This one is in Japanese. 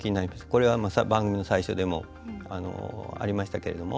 これは、番組の最初でもありましたけれども。